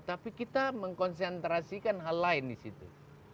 tapi kita mengkonsentrasikan hal lain di situ